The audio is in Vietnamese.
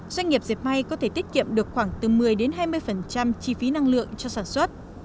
doanh nghiệp dẹp may có thể tiết kiệm được khoảng từ một mươi hai mươi chi phí năng lượng cho sản xuất